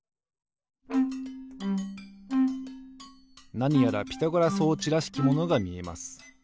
なにやらピタゴラ装置らしきものがみえます。